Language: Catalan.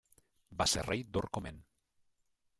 Va ser rei d'Orcomen.